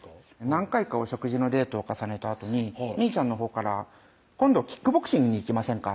何回かお食事のデートを重ねたあとにみーちゃんのほうから「今度キックボクシングに行きませんか？」